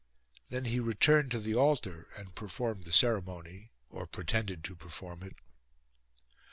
Then he returned to the altar and performed the ceremony, or pretended to perform it.